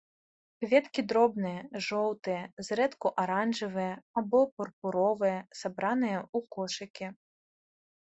Кветкі дробныя, жоўтыя, зрэдку аранжавыя або пурпуровыя, сабраныя ў кошыкі.